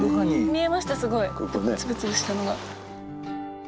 見えましたすごい粒々したのが。